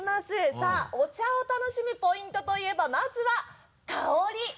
さぁお茶を楽しむポイントといえばまずは香り！